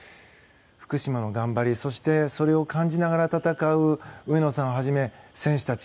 福島の頑張り、そしてそれを感じながら戦う上野さんをはじめ選手たち。